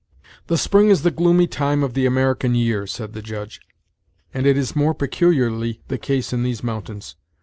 "The spring is the gloomy time of the American year," said the Judge, "and it is more peculiarly the case in these mountains.